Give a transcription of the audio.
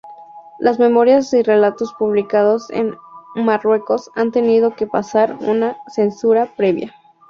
Las memorias y relatos publicados en Marruecos han tenido que pasar una censura previa.